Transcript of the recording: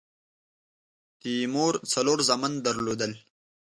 تیمور څلور زامن درلودل.